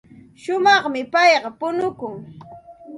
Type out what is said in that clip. Shumaqmi payqa punukun.